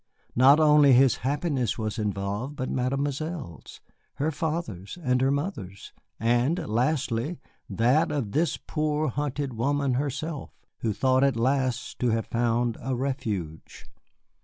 Not only his happiness was involved, but Mademoiselle's, her father's and her mother's, and lastly that of this poor hunted woman herself, who thought at last to have found a refuge.